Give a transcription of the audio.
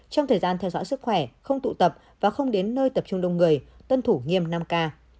trong thời gian theo dõi sức khỏe không tụ tập và không đến nơi tập trung đông người tuân thủ nghiêm năm k